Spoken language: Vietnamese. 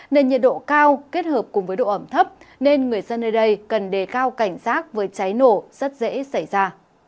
nền nhiệt độ cao kết hợp với độ ẩm thấp nên người dân nơi đây cần đề cao cảnh sát với cháy nổ rất dễ xảy ra